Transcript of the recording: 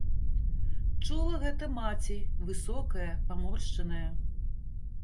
Чула гэта маці, высокая, паморшчаная.